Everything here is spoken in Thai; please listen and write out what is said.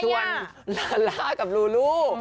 ส่วนลาล่ากับลูลู